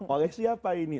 oleh siapa ini